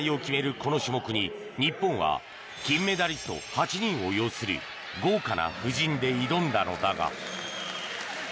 この戦いに日本は金メダリスト８人を擁する豪華な布陣で挑んだのだが。